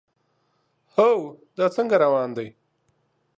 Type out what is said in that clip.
هو، دا څنګه روان دی؟